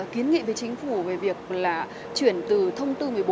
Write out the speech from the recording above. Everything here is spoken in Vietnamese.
kiến nghị với chính phủ về việc là chuyển từ thông tư một mươi bốn